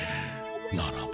ならば。